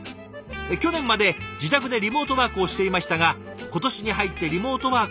「去年まで自宅でリモートワークをしていましたが今年に入ってリモートワーク